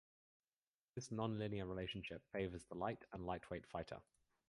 This non-linear relationship favors the light and lightweight fighter.